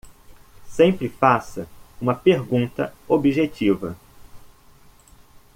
Sempre faça uma pergunta objetiva.